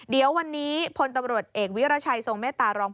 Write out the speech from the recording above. เดี๋ยววันนี้พลตำรวจเอกวิรชัยทรงเมตตารอง